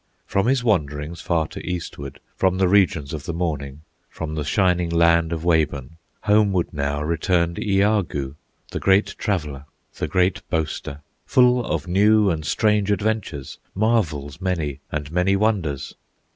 From his wanderings far to eastward, From the regions of the morning, From the shining land of Wabun, Homeward now returned Iagoo, The great traveller, the great boaster, Full of new and strange adventures, Marvels many and many wonders.